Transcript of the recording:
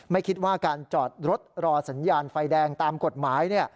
ไม่คิดว่าการจอดรถรอสัญญาณไฟแดงตามกฎหมาย